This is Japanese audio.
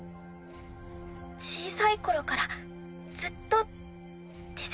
小さい頃からずっとです。